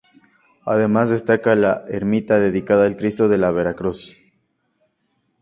Además destaca la ermita dedicada al Cristo de la Vera Cruz.